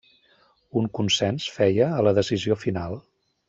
Un consens feia a la decisió final.